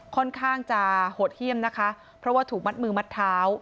ค่อนข้างจะโหดเยี่ยมนะคะเพราะว่าถูกมัดมือมัดเท้า